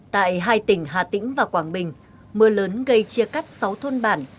tại hai tỉnh hà tĩnh và quảng bình mưa lớn gây chia cắt sáu thôn bản